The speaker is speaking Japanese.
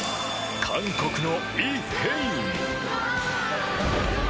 韓国のイ・ヘイン。